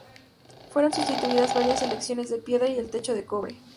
Fueron sustituidas varias secciones de piedra y el techo de cobre.